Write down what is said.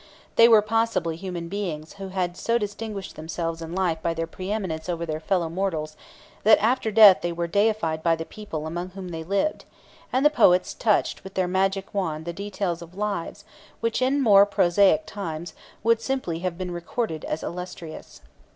They were possibly human beings who had so distinguished themselves in life by their preeminence over their fellow mortals that after death they were deified by the people among whom they lived, and the poets touched with their magic wand the details of lives, which, in more prosaic times, would simply have been recorded as illustrious.